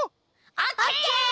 オッケー！